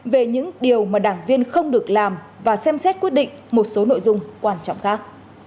về những điều mà đảng viên không được làm và xem xét quyết định một số nội dung quan trọng khác